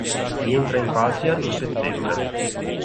Rientra in patria in settembre.